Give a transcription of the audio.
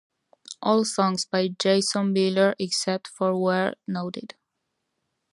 All songs by Jason Bieler except for where noted.